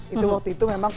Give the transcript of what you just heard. itu waktu itu memang